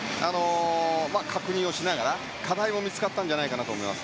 確認をしながら課題も見つかったと思います。